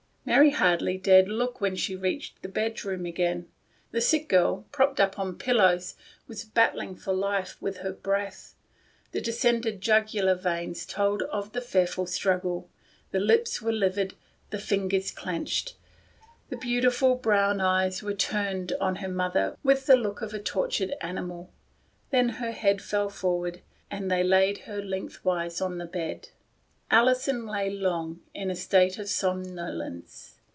Mary hardly dared look when she reached the bedroom again. The sick girl, propped up on pillows, was battling for life with her breath. The distended jugular veins told of the fearful struggle ; her lips were livid, her fingers clenched. The beautiful brown eyes were turned on her mother with the look of a dying dog ; then her head fell forward, and they laid her lengthwise on the bed. Alison lay long in a state of somnolence.